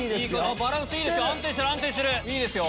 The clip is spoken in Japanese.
バランスいいですよ